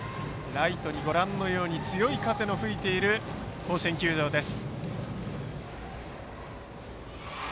ライトに強い風の吹いている甲子園球場です。